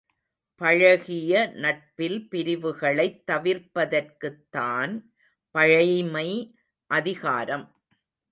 பழகிய நட்பில் பிரிவுகளைத் தவிர்ப்பதற்குத் தான் பழைமை அதிகாரம்.